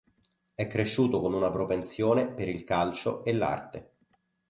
È cresciuto con una propensione per il calcio e l'arte.